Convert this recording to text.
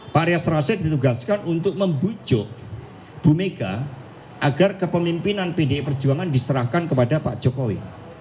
pak rias rashid ditugaskan untuk membujuk bu mega agar kepemimpinan pdi perjuangan diserahkan kepada pak jokowi